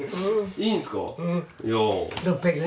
いいんすか？